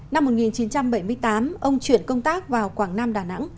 năm một nghìn chín trăm bảy mươi tám ông chuyển công tác vào quảng nam đà nẵng